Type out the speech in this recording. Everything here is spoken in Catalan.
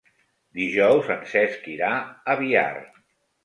Dijous en Cesc irà a Biar.